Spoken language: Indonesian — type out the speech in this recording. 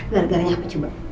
gara garanya apa coba